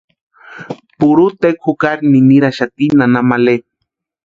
Purhu tekwa jukari niniraxati nana Male.